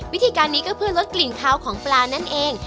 วิธีการนี้ก็เพื่อลดกลิ่นขาวของปลานั่นเอง